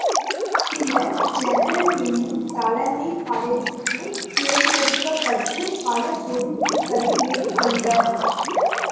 சிலர் ஜெனரல் என்னும் தலைமைப் பதவிக்குத் தேர்ந்தெடுக்கப்பட்டுப் பல பொறுப்புக்களை மேற்கொள்வர்.